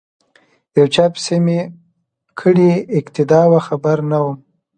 یو چا پسی می کړې اقتدا وه خبر نه وم